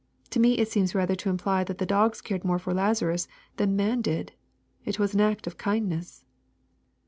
To me it seems rather to imply that the dogs cared more for Lazarus than naan did. It was an act of kindness.